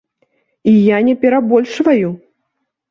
І я не перабольшваю!